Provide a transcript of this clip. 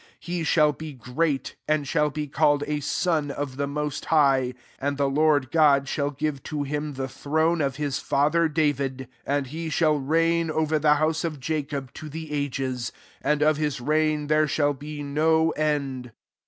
33 He shall be greaty and shall be called a Son qf the Most High : and the Lord God shall give to him the throne of his father David : 33 and he shall reign over the house qf Jacob to the ages; and of his reign there shall be no end.